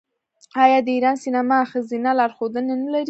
آیا د ایران سینما ښځینه لارښودانې نلري؟